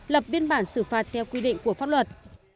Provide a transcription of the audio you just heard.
lập biên bản xử phạt theo quy định của pháp luật